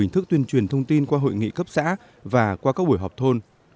hình thức tuyên truyền thông tin qua hội nghị cấp xã và qua các buổi họp thôn